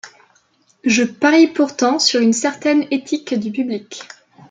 Je parie pourtant sur une certaine éthique du public.